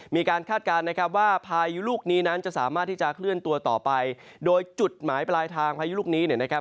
คาดการณ์นะครับว่าพายุลูกนี้นั้นจะสามารถที่จะเคลื่อนตัวต่อไปโดยจุดหมายปลายทางพายุลูกนี้เนี่ยนะครับ